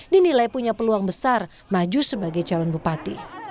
dinilai punya peluang besar maju sebagai calon bupati